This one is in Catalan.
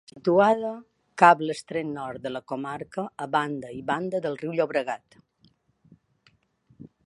Situada cap a l'extrem nord de la comarca, a banda i banda del riu Llobregat.